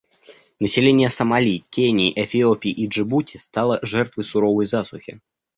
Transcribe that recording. Население Сомали, Кении, Эфиопии и Джибути стало жертвой суровой засухи.